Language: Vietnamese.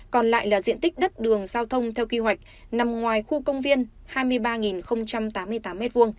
còn lại là diện tích đất đường giao thông theo kế hoạch nằm ngoài khu công viên hai mươi ba tám mươi tám m hai